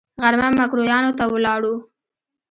غرمه ميکرويانو ته ولاړو.